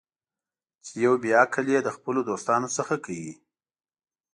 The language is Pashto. چې یو بې عقل یې د خپلو دوستانو څخه کوي.